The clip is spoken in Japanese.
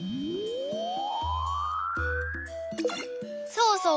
そうそう。